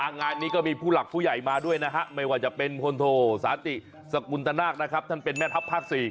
งานนี้ก็มีผู้หลักผู้ใหญ่มาด้วยนะฮะไม่ว่าจะเป็นพลโทสาติสกุลตนาคนะครับท่านเป็นแม่ทัพภาค๔